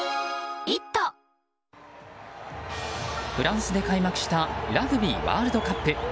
フランスで開幕したラグビーワールドカップ。